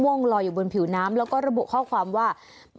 วงลอยอยู่บนผิวน้ำแล้วก็ระบุข้อความว่า